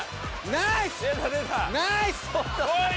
ナイス！